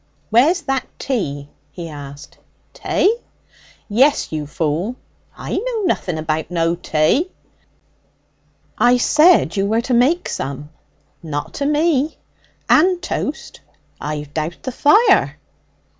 'Where's that tea?' he asked. 'Tay?' 'Yes, you fool!' 'I know nothing about no tay.' 'I said you were to make some.' 'Not to me.' 'And toast.' 'I've douted the fire.'